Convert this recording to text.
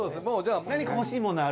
何か欲しいものある？